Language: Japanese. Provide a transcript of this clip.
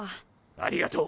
ありがとう。